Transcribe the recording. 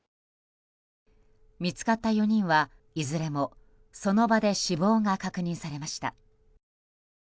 見つかった４人はいずれもその場で死亡が確認されました。